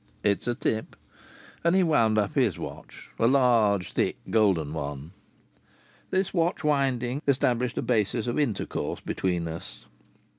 "It's a tip." And he wound up his watch; a large, thick, golden one. This watch winding established a basis of intercourse between us.